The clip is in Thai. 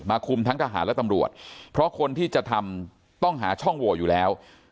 คุมทั้งทหารและตำรวจเพราะคนที่จะทำต้องหาช่องโหวอยู่แล้ว